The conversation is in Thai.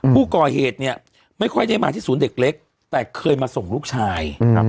ผู้ก่อเหตุเนี่ยไม่ค่อยได้มาที่ศูนย์เด็กเล็กแต่เคยมาส่งลูกชาย